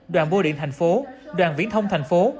đoàn bô điện thành phố đoàn viễn thông thành phố